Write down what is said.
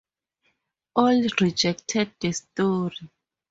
All rejected the story.